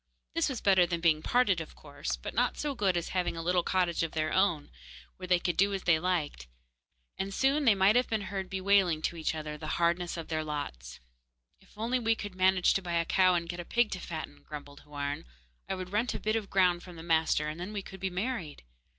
This was better than being parted, of course, but not so good as having a little cottage of their own, where they could do as they liked, and soon they might have been heard bewailing to each other the hardness of their lots. 'If we could only manage to buy a cow and get a pig to fatten,' grumbled Houarn, 'I would rent a bit of ground from the master, and then we could be married.